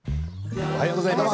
おはようございます。